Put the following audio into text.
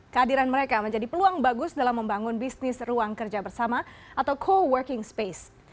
kehadiran mereka menjadi peluang bagus dalam membangun bisnis ruang kerja bersama atau co working space